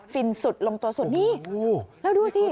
ฟินสุดลงตัวสุดนี่แล้วดูสิ